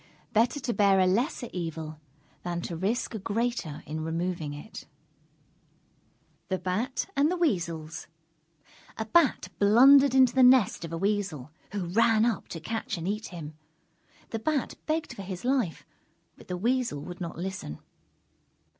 Better to bear a lesser evil than to risk a greater in removing it. THE BAT AND THE WEASELS A Bat blundered into the nest of a Weasel, who ran up to catch and eat him. The Bat begged for his life, but the Weasel would not listen.